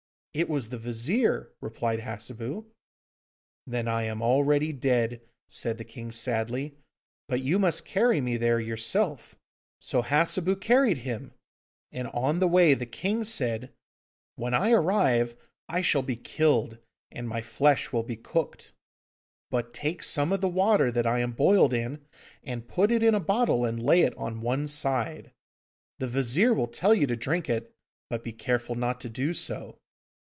'It was the Vizir,' replied Hassebu. 'Then I am already dead,' said the King sadly, 'but you must carry me there yourself.' So Hassebu carried him. And on the way the King said, 'When I arrive, I shall be killed, and my flesh will be cooked. But take some of the water that I am boiled in, and put it in a bottle and lay it on one side. The Vizir will tell you to drink it, but be careful not to do so.